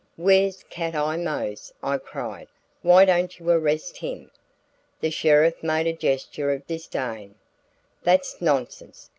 "Where's Cat Eye Mose?" I cried. "Why don't you arrest him?" The sheriff made a gesture of disdain. "That's nonsense.